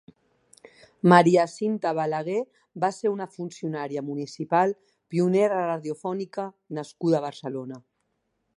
Maria Cinta Balagué va ser una funcionària municipal, pionera radiofònica nascuda a Barcelona.